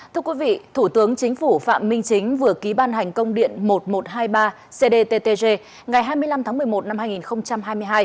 thưa quý vị thủ tướng chính phủ phạm minh chính vừa ký ban hành công điện một nghìn một trăm hai mươi ba cdttg ngày hai mươi năm tháng một mươi một năm hai nghìn hai mươi hai